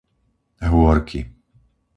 Hôrky